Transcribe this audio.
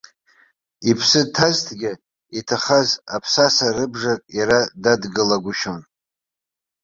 Иԥсы ҭазҭгьы, иҭахаз аԥсаса рыбжак иара дадгылагәышьон.